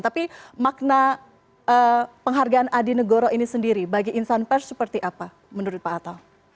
tapi makna penghargaan adi negoro ini sendiri bagi insan pers seperti apa menurut pak atta